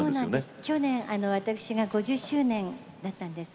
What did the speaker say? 去年、私が５０周年だったんですが